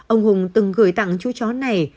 ông hùng từng gửi tặng chú chó này